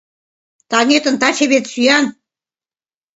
Таҥетын таче вет сӱан».